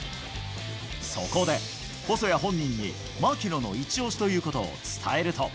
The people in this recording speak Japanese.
そこで、細谷本人に槙野のイチオシということを伝えると。